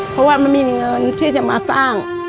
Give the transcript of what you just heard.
เพราะว่ามันไม่มีเงินที่จะมาสร้าง